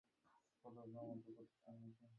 মা, আজ আমি চাচার সাথে ছাদে ঘুমাবো?